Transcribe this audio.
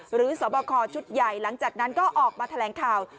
สบคอชุดใหญ่หลังจากนั้นก็ออกมาแถลงข่าว